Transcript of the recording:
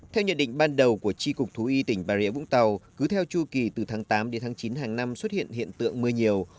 theo nhận định ban đầu của tri cục thú y tỉnh bà rịa vũng tàu cứ theo chu kỳ từ tháng tám đến tháng chín hàng năm xuất hiện hiện tượng mưa nhiều